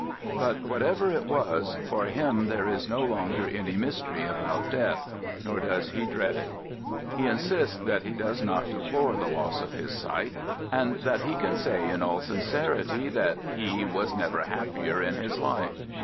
But whatever it was, for him there is no longer any mystery about death ; nor does he dread it. 133 Digitized by THE GOOD SOLDIER He insists that he does not deplore the loss of his sight, and that he can say in all sincerity that he was never happier in his life.